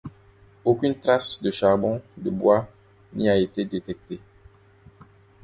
Aucune trace de charbon de bois n'y a été détectée.